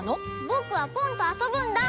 ぼくはポンとあそぶんだ！